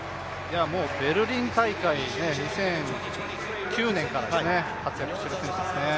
ベルリン大会、２００９年から活躍している選手ですね。